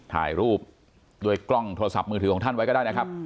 ถ่ายรูปด้วยกล้องโทรศัพท์มือถือของท่านไว้ก็ได้นะครับ